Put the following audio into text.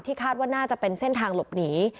คาดว่าน่าจะเป็นเส้นทางหลบหนี